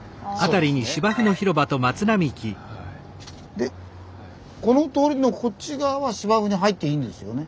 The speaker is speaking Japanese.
でこの通りのこっち側は芝生に入っていいんですよね。